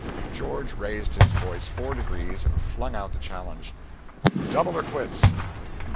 George raised his voice four degrees and flung out the challenge "Double or quits!"